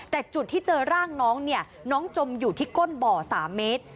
แต่จุดที่เจอร่างน้องเนี่ยน้องจมอยู่ที่ก้นบ่อ๓เมตร